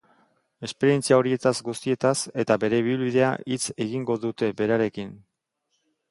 Esperientzia horietaz guztietaz eta bere ibilbidea hitz egingo dute berarekin.